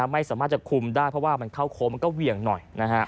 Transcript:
ไม่สามารถจะคุมได้เพราะว่ามันเข้าโค้งมันก็เหวี่ยงหน่อย